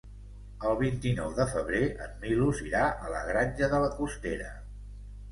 El vint-i-nou de febrer en Milos irà a la Granja de la Costera.